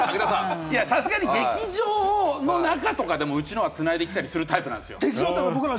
劇場の中でも、うちのは、つないできたりするタイプなんですよ。